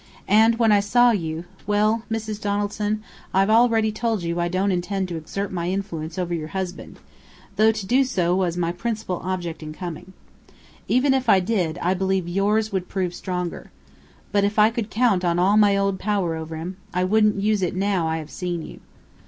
And when I saw you well, Mrs. Donaldson, I've already told you I don't intend to exert my influence over your husband, though to do so was my principal object in coming. Even if I did, I believe yours would prove stronger. But if I could count on all my old power over him, I wouldn't use it now I have seen you.